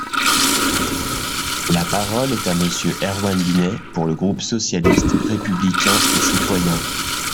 La parole est à Monsieur Erwann Binet, pour le groupe socialiste, républicain et citoyen.